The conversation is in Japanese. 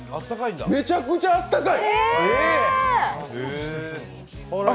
めちゃくちゃあったかい！